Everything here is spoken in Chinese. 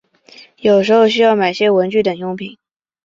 有时候需要买些文具等用品